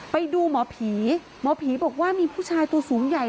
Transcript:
ไปดูหมอผีหมอผีบอกว่ามีผู้ชายตัวสูงใหญ่